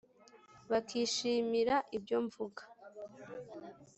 bakishimira ibyo mvuga.